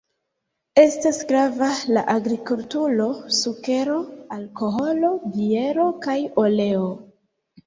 Estas grava la agrikulturo: sukero, alkoholo, biero kaj oleo.